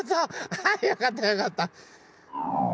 あよかったよかった。